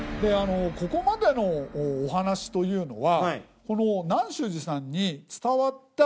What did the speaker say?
ここまでのお話というのは。